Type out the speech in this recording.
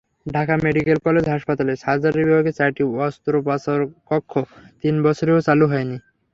Dhaka medical college হাসপাতালের surgery বিভাগের চারটি অস্ত্রোপচারকক্ষ তিন বছরেও চালু হয়নি।